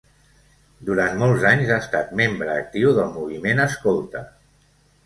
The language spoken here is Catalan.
Durant molts anys, ha estat membre actiu del moviment escolta.